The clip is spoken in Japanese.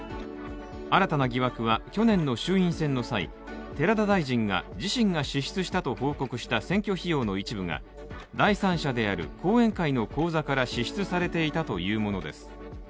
新たな疑惑は去年の衆院選の際、寺田大臣が自身が支出したと報告した選挙費用の一部が第三者である後援会の口座から支出されていたというものです。